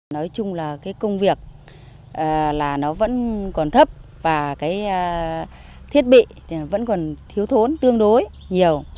nói chung là cái công việc là nó vẫn còn thấp và cái thiết bị vẫn còn thiếu thốn tương đối nhiều